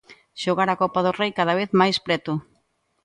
Xogar a Copa do Rei cada vez máis preto.